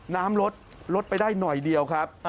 น้ำลดลดไปได้หน่อยเดียวครับ